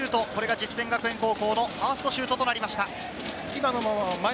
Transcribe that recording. これが実践学園高校のファーストシュートとなりました。